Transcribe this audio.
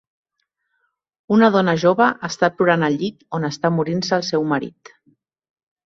Una dona jove està plorant al llit on està morint-se el seu marit.